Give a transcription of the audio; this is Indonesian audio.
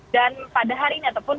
dan pada hari ini ataupun